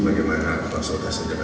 bagaimana konsultasi dengan kami